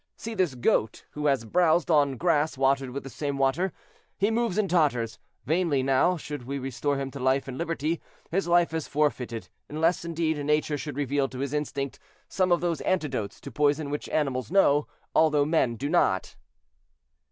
See this goat who has browsed on grass watered with this same water; he moves and totters; vainly now should we restore him to life and liberty; his life is forfeited, unless, indeed, nature should reveal to his instinct some of those antidotes to poison which animals know, although men do not."